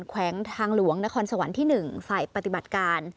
แขวงทางหลวงนครสวรรค์ที่๑ฝ่ายปฏิบัติการ